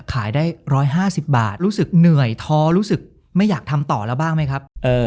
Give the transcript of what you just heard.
ขายได้๑๕๐บาทรู้สึกเหนื่อยท้อรู้สึกไม่อยากทำต่อแล้วบ้างไหมครับ